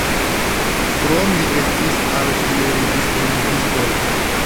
Krome li estis artileridisponigisto.